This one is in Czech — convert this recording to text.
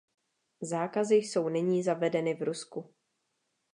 Zákazy jsou nyní zavedeny v Rusku.